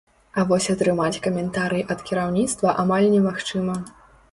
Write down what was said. А вось атрымаць каментарый ад кіраўніцтва амаль немагчыма.